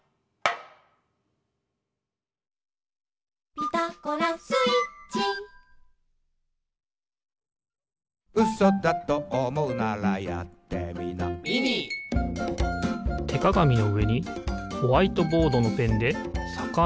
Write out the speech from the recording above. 「ピタゴラスイッチ」てかがみのうえにホワイトボードのペンでさかなをかく。